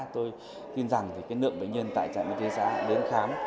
tôi tin rằng cái lượng bệnh nhân tại trạm y tế xã đến khám